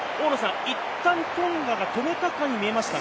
いったんトンガが止めたと見えましたが。